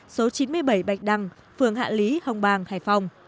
số chín mươi bảy bạch đăng phường hạ lý hồng bàng hải phòng